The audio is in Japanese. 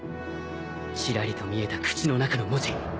ちらりと見えた口の中の文字